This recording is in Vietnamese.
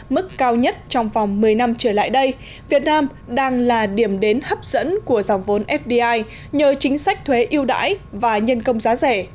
mức cao nhất trong vòng một mươi năm trở lại đây việt nam đang là điểm đến hấp dẫn của dòng vốn fdi nhờ chính sách thuế yêu đãi và nhân công giá rẻ